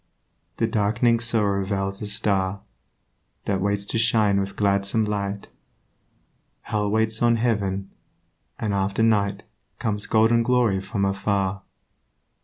The dark'ning sorrow veils a Star That waits to shine with gladsome light; Hell waits on heaven; and after night Comes golden glory from afar.